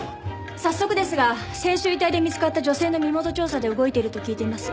早速ですが先週遺体で見つかった女性の身元調査で動いていると聞いています。